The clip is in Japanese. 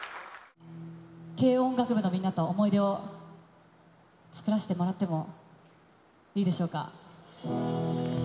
軽音楽部のみんなと思い出を作らせてもらってもいいでしょうか。